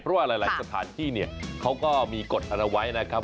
เพราะว่าหลายสถานที่เนี่ยเขาก็มีกฎเอาไว้นะครับ